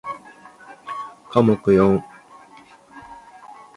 科目四